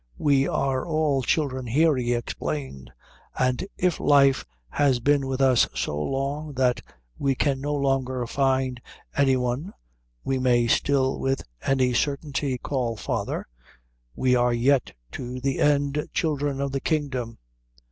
We are all children here, he explained, and if life has been with us so long that we can no longer find any one we may still with any certainty call father, we are yet to the end Children of the Kingdom.